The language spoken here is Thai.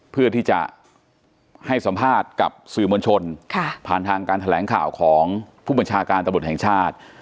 เพื่อที่จะให้สัมภาษณ์กับสื่อมวลชนผ่านทางการแถลงข่าวของผู้บัญชาการตำรวจแห่งชาติ